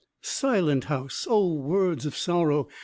II Silent house! Oh words of sorrow!